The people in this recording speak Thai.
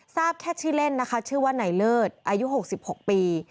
ทราบแค่ชื่อเล่นนะคะชื่อว่าไหนเลิศอายุ๖๖ปี